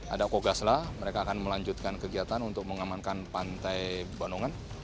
ada kogaslah mereka akan melanjutkan kegiatan untuk mengamankan pantai banongan